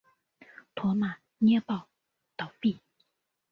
驼马捏报倒毙。